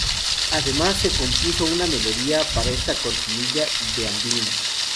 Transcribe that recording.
Además, se compuso una melodía para esta cortinilla de Amblin.